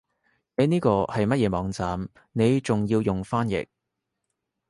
你呢個係乜嘢網站你仲要用翻譯